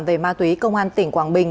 về ma túy công an tỉnh quảng bình